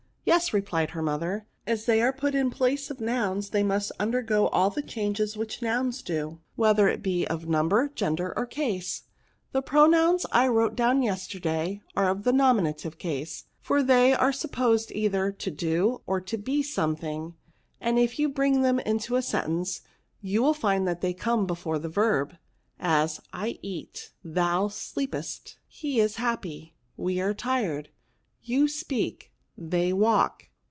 " Yes," replied her mother, " as they are put in the place of noims, they must undergo all the changes which nouns do, whether it be of number, gender, or case. The pro nouns I wrote down yesterday are of the nominative case ; for they are supposed either to do, or to be something ; and if you bring them into a sentence, you will find that they come before the verb ; as, I eat, thou sleep* est, he is happy ; we are tired, you speak, they walk.